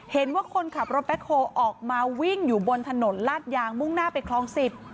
เห็นว่าคนขับรถแบ็คโฮออกมาวิ่งอยู่บนถนนลาดยางมุ่งหน้าไปคลอง๑๐